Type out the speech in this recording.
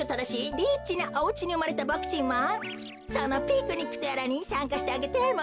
リッチなおうちにうまれたボクちんもそのピクニックとやらにさんかしてあげてもいいのです。